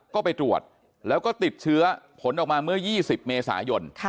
ก็ไปตรวจแล้วก็ติดเชื้อผลออกมาเมื่อ๒๐เมษายน